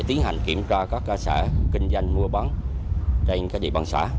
tiến hành kiểm tra các cơ sở kinh doanh mua bán trên các địa bàn xã